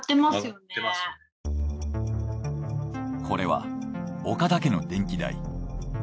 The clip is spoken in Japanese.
これは岡田家の電気代。